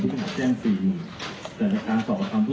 คนมาเก็บเงินทุกการไม่เฉพาะนะครับ